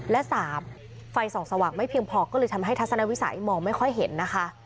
และ๓ไฟส่องสว่างไม่เพียงพอก็เลยทำให้ทัศนวิสัยมองไม่ค่อยเห็นนะคะ